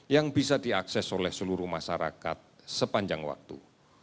yang bisa diakses oleh seluruh masyarakat sepanjang waktu